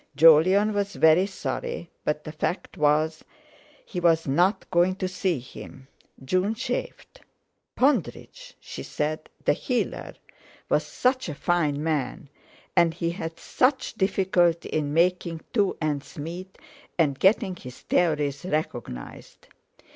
Jolyon was very sorry, but the fact was he was not going to see him. June chafed. Pondridge—she said—the healer, was such a fine man, and he had such difficulty in making two ends meet, and getting his theories recognised.